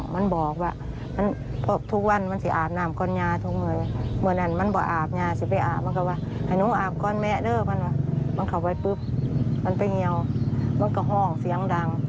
มันบอกว่าทุกวันมันจะอาบน้ำก่อนเงี้ยทุกมือนั่นมันบอกว่าอาบก่อนแม่เด้อมันเข้าไปปุ๊บมันไปเงียวมันก็ห้องเสียงดัง